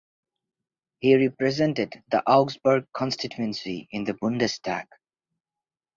He represented the Augsburg constituency in the Bundestag.